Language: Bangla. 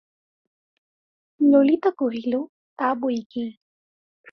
ললিতা কহিল, তা বৈকি!